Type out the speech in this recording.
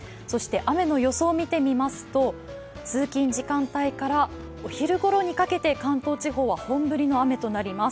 雨の予想を見てみますと、通勤時間帯からお昼ごろにかけて、関東地方は本降りの雨となります。